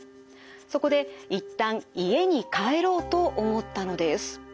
そこでいったん家に帰ろうと思ったのです。